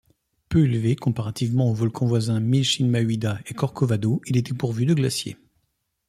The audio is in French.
Peu élevé comparativement aux volcans voisins Michinmahuida et Corcovado, il est dépourvu de glacier.